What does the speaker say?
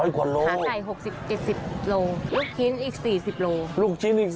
ร้อยกว่าโลกรัมครับอาหารไก่๖๐รบ๗๐รบลูกชิ้นอีก๔๐รบ